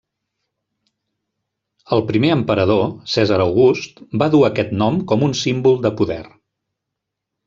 El primer emperador, Cèsar August, va dur aquest nom com un símbol de poder.